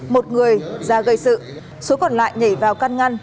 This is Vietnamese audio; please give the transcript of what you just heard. một người ra gây sự số còn lại nhảy vào căn ngăn